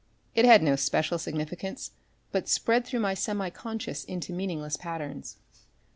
It had no special significance, but spread through my semi consciousness into meaningless patterns.